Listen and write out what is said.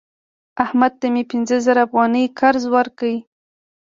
احمد ته مې پنځه زره افغانۍ قرض ورکړی